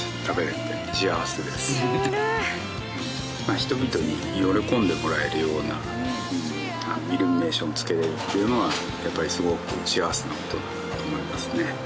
人々に喜んでもらえるようなイルミネーションを付けられるっていうのはやっぱりすごく幸せな事だなと思いますね。